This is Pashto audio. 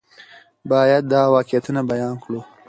باید دا واقعیتونه بیان کړو.